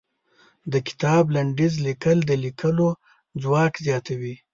د کتاب لنډيز ليکل د ليکلو ځواک زياتوي.